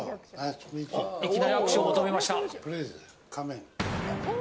いきなり握手を求めました。